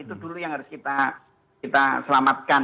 itu dulu yang harus kita selamatkan